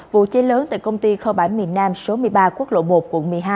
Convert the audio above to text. vụ cháy lớn tại công ty kho bãi miền nam số một mươi ba quốc lộ một quận một mươi hai